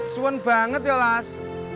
suan banget ya las